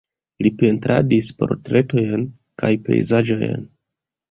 Li pentradis portretojn kaj pejzaĝojn.